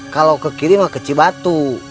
kalau ke kiri mah keci batu